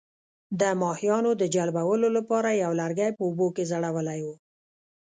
د ماهیانو د جلبولو لپاره یې یو لرګی په اوبو کې ځړولی وو.